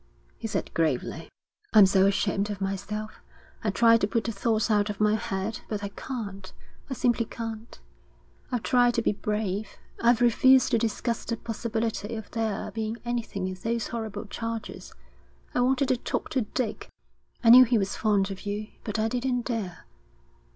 he said gravely. 'I'm so ashamed of myself. I try to put the thoughts out of my head, but I can't. I simply can't. I've tried to be brave. I've refused to discuss the possibility of there being anything in those horrible charges. I wanted to talk to Dick I knew he was fond of you but I didn't dare.